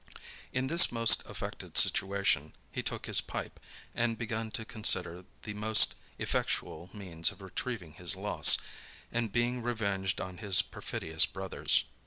In this most afflicted situation, he took his pipe, and begun to consider the most effectual means of retrieving his loss, and being revenged on his perfidious brothers.